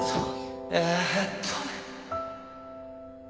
えーっと。